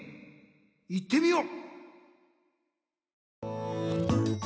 いってみよう！